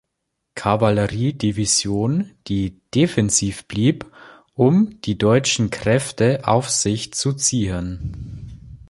Kavallerie-Division, die defensiv blieb, um die deutschen Kräfte auf sich zu ziehen.